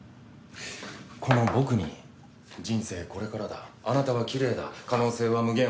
この僕に「人生これからだ」「あなたはきれいだ」「可能性は無限」